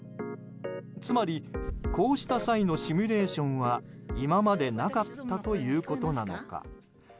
つまり、こうした際のシミュレーションは今までなかったということなのか。